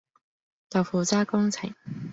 豆腐渣工程